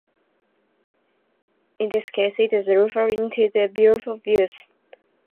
In this case, it is referring to the beautiful views.